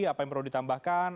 apa yang perlu ditambahkan